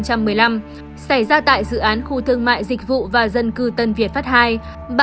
xảy ra tại dự án khu thương mại dịch vụ và dân cư tân việt pháp ii